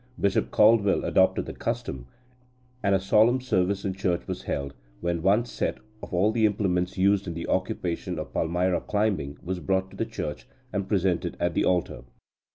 Bishop Caldwell adopted the custom, and a solemn service in church was held, when one set of all the implements used in the occupation of palmyra climbing was brought to the church, and presented at the altar.